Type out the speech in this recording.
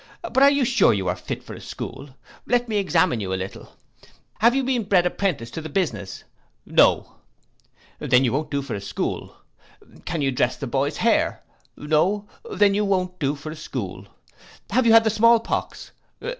But are you sure you are fit for a school? Let me examine you a little. Have you been bred apprentice to the business? No. Then you won't do for a school. Can you dress the boys hair? No. Then you won't do for a school. Have you had the small pox?